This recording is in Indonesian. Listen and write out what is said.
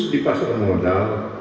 di pasar modal